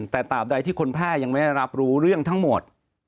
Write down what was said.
แต่ตามใดที่คนแพร่ยังไม่ได้รับรู้เรื่องทั้งหมด